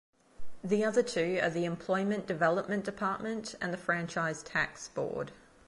The other two are the Employment Development Department and the Franchise Tax Board.